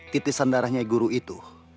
titisan darah nyai guru itu